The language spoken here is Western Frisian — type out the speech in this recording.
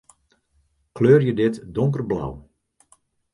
Kleurje dit donkerblau.